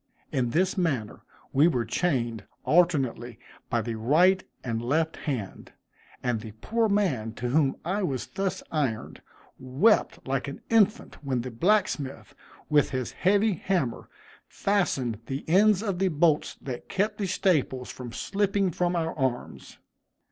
In this manner we were chained alternately by the right and left hand; and the poor man to whom I was thus ironed, wept like an infant when the blacksmith, with his heavy hammer, fastened the ends of the bolts that kept the staples from slipping from our arms.